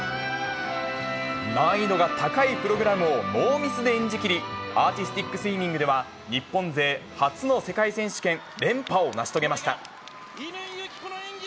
難易度が高いプログラムをノーミスで演じきり、アーティスティックスイミングでは、日本勢初の世界選手権連覇を成し遂げました。